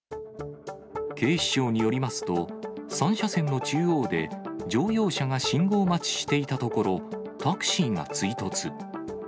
警視庁によりますと、３車線の中央で、乗用車が信号待ちしていたところ、タクシーが追突。